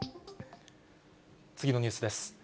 次のニュースです。